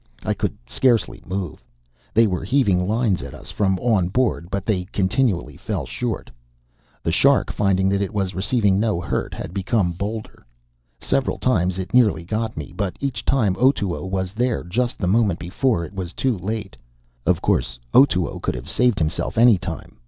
I could scarcely move. They were heaving lines at us from on board, but they continually fell short. The shark, finding that it was receiving no hurt, had become bolder. Several times it nearly got me, but each time Otoo was there just the moment before it was too late. Of course, Otoo could have saved himself any time.